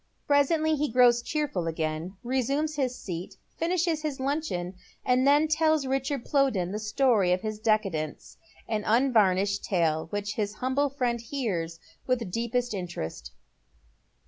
S8 Presently be grows cheerful again, resumes his seat, finishes tis luncheon, and then tells Richard Plowden the story of his Jecadence, an unvarnished tale which his humble friend hears with deepest interest.